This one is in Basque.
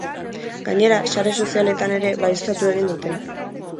Gainera, sare sozialetan ere baieztatu egin dute.